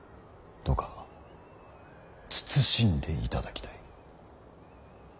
どうか慎んでいただきたい。